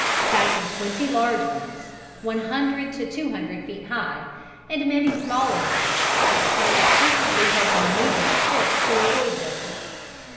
passing twenty large ones, one hundred to two hundred feet high, and many smaller ones, and "frequently had to manoeuvre the ship to avoid them."